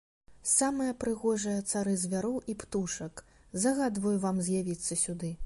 Самыя прыгожыя цары звяроў і птушак, загадваю вам з'явіцца сюды!